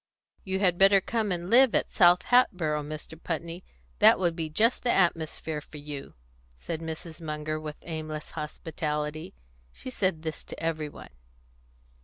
"You had better come and live at South Hatboro', Mr. Putney; that would be just the atmosphere for you," said Mrs. Munger, with aimless hospitality. She said this to every one.